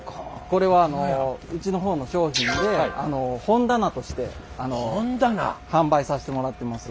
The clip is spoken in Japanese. これはうちの方の商品で本棚として販売させてもらってます。